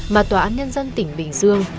mà tòa án nhân dân tỉnh bình dương